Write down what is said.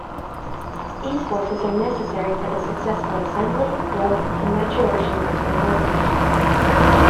These forces are necessary for the successful assembly, growth, and maturation of focal adhesions.